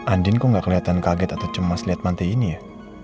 andin kok gak kelihatan kaget atau cemas lihat mante ini ya